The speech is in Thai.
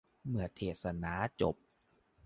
เมื่อเทศนาจบ